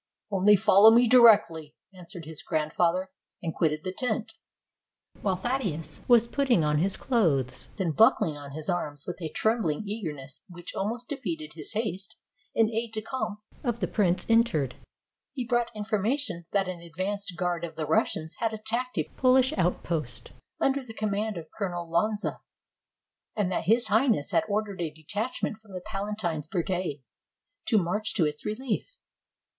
"Only follow me directly," answered his grandfather, and quitted the tent. While Thaddeus was putting on his clothes, and buckling on his arms with a trembling eagerness which almost defeated his haste, an aide de camp of the prince entered. He brought information that an advanced guard of the Russians had attacked a Polish outpost, under the command of Colonel Lonza, and that His Highness had ordered a detachment from the palatine's brigade to march to its relief.